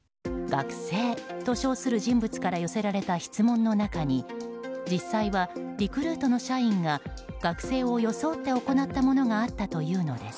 学生と称する人物から寄せられた質問の中に実際はリクルートの社員が学生を装って行ったものがあったというのです。